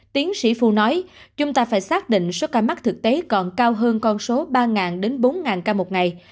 tiến sĩ phu nói chúng ta phải xác định số ca mắc thực tế còn cao hơn con số ba đến bốn ca một ngày